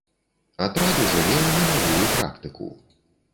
Атрад ужо меў немалую практыку.